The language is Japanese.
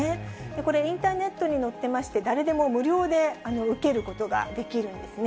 これ、インターネットに載ってまして、誰でも無料で受けることができるんですね。